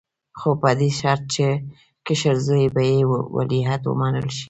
خو په دې شرط چې کشر زوی یې ولیعهد ومنل شي.